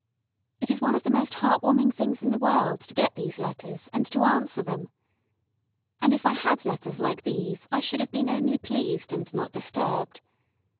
It is one of the most heart warming things in the world to get these letters and to answer them. And if I had letters like these I should have been only pleased and not disturbed.